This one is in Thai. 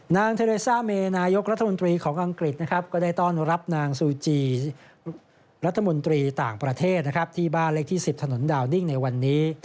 นางเทเรซ่าเมนายกรัฐมนตรีของอังกฤษนะครับก็ได้ต้อนรับนางซูจีรัฐมนตรีต่างประเทศนะครับที่บ้านเลขที่๑๐ถนนดาวดิ้งในวันนี้